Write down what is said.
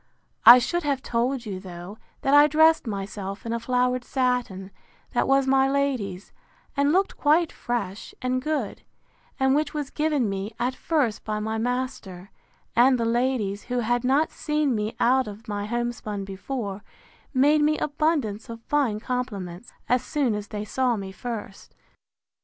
I should have told you, though, that I dressed myself in a flowered satin, that was my lady's, and looked quite fresh and good, and which was given me, at first, by my master; and the ladies, who had not seen me out of my homespun before, made me abundance of fine compliments, as soon as they saw me first.